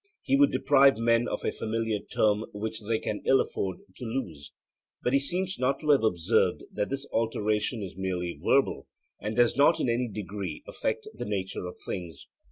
He would deprive men of a familiar term which they can ill afford to lose; but he seems not to have observed that this alteration is merely verbal and does not in any degree affect the nature of things.